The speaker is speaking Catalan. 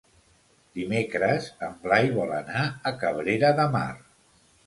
Dimecres en Blai vol anar a Cabrera de Mar.